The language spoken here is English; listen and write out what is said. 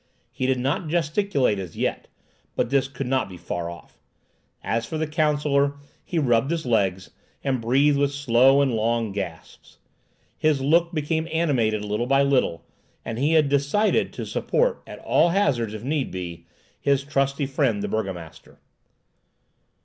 He did not gesticulate as yet, but this could not be far off. As for the counsellor, he rubbed his legs, and breathed with slow and long gasps. His look became animated little by little, and he had "decided" to support at all hazards, if need be, his trusty friend the burgomaster.